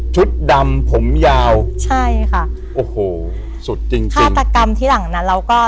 ดำผมยาวใช่ค่ะโอ้โหสุดจริงค่ะฆาตกรรมที่หลังนั้นเราก็